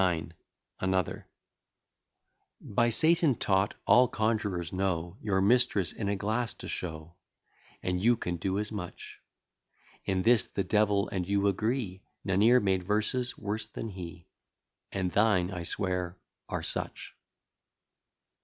ANOTHER By Satan taught, all conjurors know Your mistress in a glass to show, And you can do as much: In this the devil and you agree; None e'er made verses worse than he, And thine, I swear, are such.